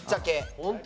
本当？